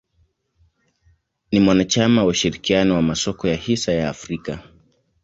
Ni mwanachama wa ushirikiano wa masoko ya hisa ya Afrika.